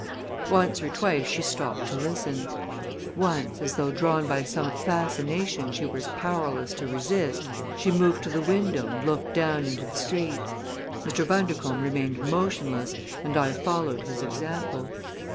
Once or twice she stopped to listen. Once, as though drawn by some fascination she was powerless to resist, she moved to the window and looked down into the street. Mr. Bundercombe remained motionless and I followed his example.